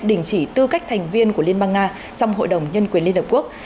đình chỉ tư cách thành viên của liên bang nga trong hội đồng nhân quyền liên hợp quốc